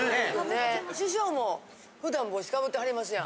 師匠も普段帽子被ってはりますやん。